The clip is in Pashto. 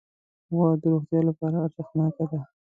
غوا د روغتیا لپاره ارزښتناکه ده.